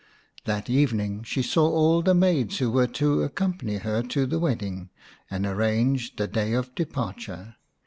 That evening she saw all the maids who were to accompany her to the wedding, and arranged the day of departure.